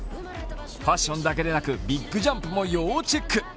ファッションだけじゃなくビッグジャンプも要チェック。